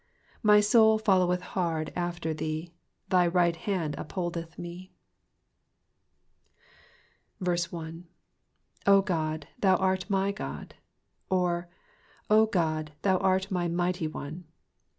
8 My soul foUoweth hard after thee : thy right hand up holdeth me. 1. '*0 God, thou art my Ood;'' or, O God, thou art my Mighty One.